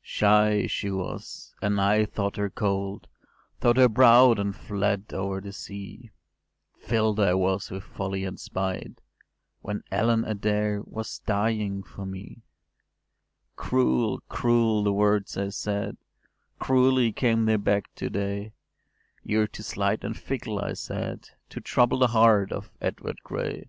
“Shy she was, and I thought her cold; Thought her proud, and fled over the sea; Fill’d I was with folly and spite, When Ellen Adair was dying for me. “Cruel, cruel the words I said! Cruelly came they back to day: ‘You’re too slight and fickle,’ I said, ‘To trouble the heart of Edward Gray’.